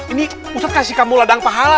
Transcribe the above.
ini ustadz kasih kamu ladang pahala